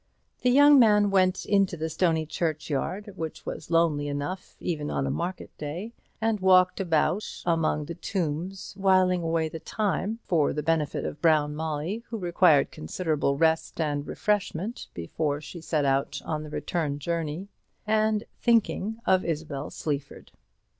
The young man went into the stony churchyard, which was lonely enough even on a market day, and walked about among the tombs, whiling away the time for the benefit of Brown Molly, who required considerable rest and refreshment before she set out on the return journey and thinking of Isabel Sleaford.